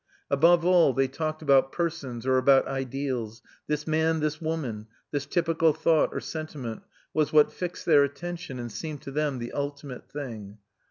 Above all, they talked about persons or about ideals; this man, this woman, this typical thought or sentiment was what fixed their attention and seemed to them the ultimate thing.